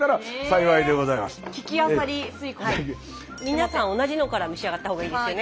皆さん同じのから召し上がったほうがいいですよね。